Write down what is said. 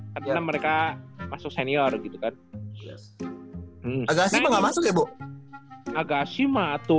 karena mereka masuk senior gitu kan agaknya enggak masuk ya bu agaknya